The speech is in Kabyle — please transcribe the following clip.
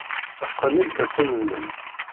Qqen irkasen-nnem.